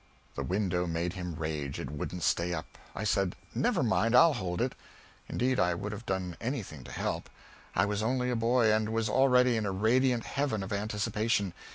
The window made him rage; it wouldn't stay up. I said "Never mind, I'll hold it." Indeed, I would have done anything to help. I was only a boy, and was already in a radiant heaven of anticipation.